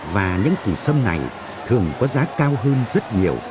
và những cụ sâm này thường có giá cao hơn rất nhiều